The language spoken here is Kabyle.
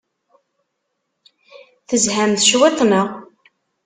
Tezhamt cwiṭ, naɣ?